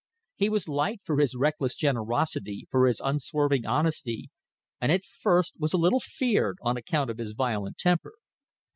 He was liked for his reckless generosity, for his unswerving honesty, and at first was a little feared on account of his violent temper.